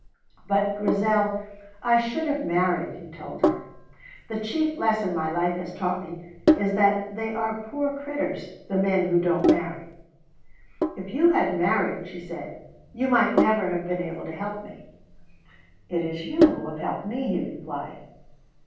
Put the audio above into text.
"But, Grizel, I should have married," he told her. "The chief lesson my life has taught me is that they are poor critturs the men who don't marry." "If you had married," she said, "you might never have been able to help me." "It is you who have helped me," he replied.